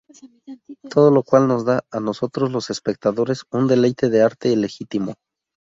Todo lo cual nos da, a nosotros los espectadores, un deleite de arte legitimo.